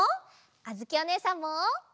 あづきおねえさんも！